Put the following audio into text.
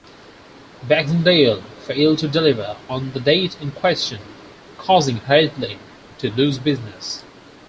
Baxendale failed to deliver on the date in question, causing Hadley to lose business.